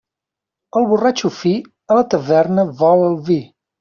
El borratxo fi, a la taverna vol el vi.